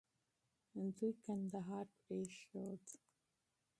دوی کندهار پرېښود.